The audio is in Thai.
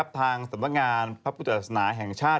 ทางสำนักงานพระพุทธศาสนาแห่งชาติ